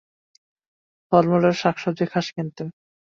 ফলমূল আর শাক-সবজি খাস কিন্তু!